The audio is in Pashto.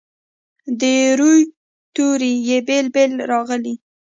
د روي توري یې بیل بیل راغلي.